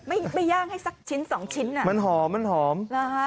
ไม่ย่างให้สักชิ้น๒ชิ้นมันหอมมันหอม